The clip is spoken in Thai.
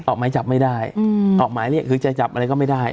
ออกหมายจับไม่ได้ออกหมายเรียกคือจะจับอะไรก็ไม่ได้